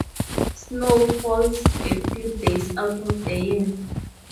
Snow falls a few days out of the year.